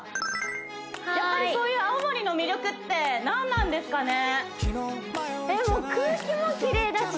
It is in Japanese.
やっぱりそういう青森の魅力って何なんですかね？